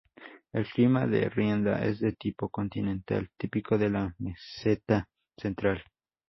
El clima de Rienda es de tipo continental, típico de la meseta central.